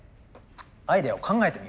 アイデアを考えてみよう。